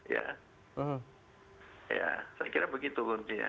saya kira begitu